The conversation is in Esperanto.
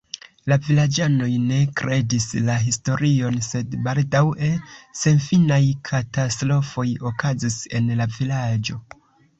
La vilaĝanoj ne kredis la historion, sed baldaŭe senfinaj katastrofoj okazis en la vilaĝo.